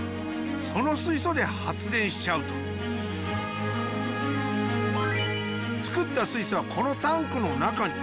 その水素で発電しちゃうと作った水素はこのタンクの中に。